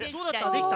できた？